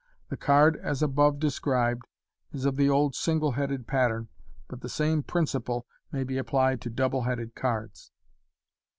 The card as above de scribed is of the old single headed pattern, but the same principle may be applied to double headed cards.